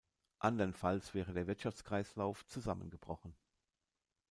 Andernfalls wäre der Wirtschaftskreislauf zusammengebrochen.